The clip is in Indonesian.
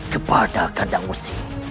kepada kandang musi